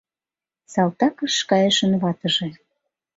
Салтакыш кайышын ватыже